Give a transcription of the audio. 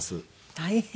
大変。